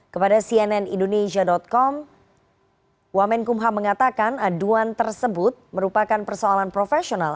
kepada cnn indonesia com wamenkumham mengatakan aduan tersebut merupakan persoalan profesional